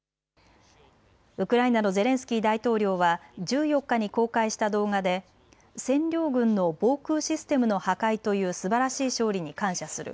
ウクライナのゼレンスキー大統領は１４日に公開した動画で占領軍の防空システムの破壊というすばらしい勝利に感謝する。